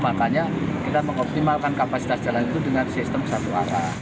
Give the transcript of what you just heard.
makanya kita mengoptimalkan kapasitas jalan itu dengan sistem satu arah